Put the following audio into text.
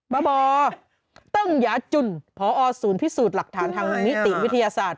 บตึ้งยาจุ่นพอศูนย์พิสูจน์หลักฐานทางนิติวิทยาศาสตร์